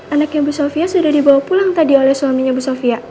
anaknya bu sofia sudah dibawa pulang tadi oleh suaminya bu sofia